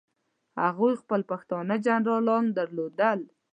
هغوی خپل پښتانه جنرالان درلودل.